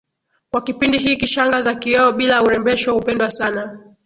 kwa kipindi hiki shanga za kioo bila urembesho hupendwa sana